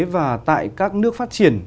và tại các nước phát triển